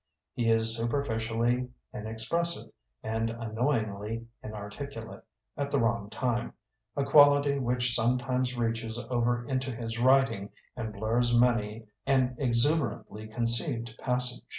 He is superficially inex pressive and annoyingly inarticulate, at the wrong time — ^a quality which sometimes reaches over into his writ ing and blurs many an exuberantly conceived passage.